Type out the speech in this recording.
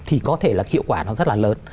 thì có thể là hiệu quả nó rất là lớn